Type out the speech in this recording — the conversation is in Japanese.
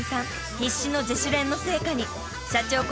必死の自主練の成果に］